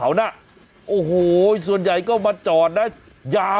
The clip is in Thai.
วันนี้จะเป็นวันนี้